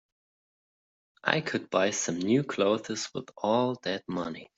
I could buy some new clothes with all that money.